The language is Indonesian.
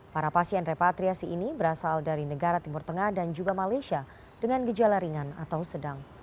para pasien repatriasi ini berasal dari negara timur tengah dan juga malaysia dengan gejala ringan atau sedang